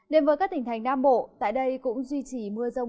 đến với các tỉnh thành nam bộ tại đây cũng duy trì mưa rông